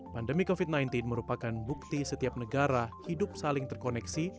pandemi covid sembilan belas merupakan bukti setiap negara hidup saling terkoneksi